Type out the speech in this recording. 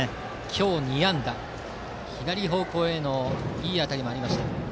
今日２安打左方向へのいい当たりありました。